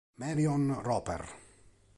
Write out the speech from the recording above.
Marion Roper